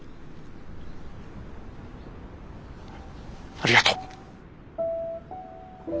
ありがとう。